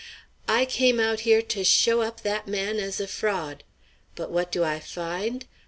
"I came out here to show up that man as a fraud. But what do I find?